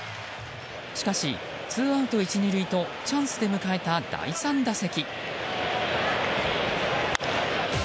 しかし、ツーアウト１、２塁とチャンスで迎えた第３打席。